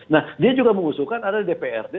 nah dia juga mengusulkan ada dprd